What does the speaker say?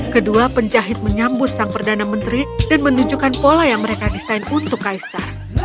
kedua penjahit menyambut sang perdana menteri dan menunjukkan pola yang mereka desain untuk kaisar